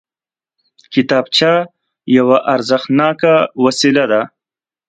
کتابچه یوه ارزښتناکه وسیله ده